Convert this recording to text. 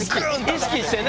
意識してね。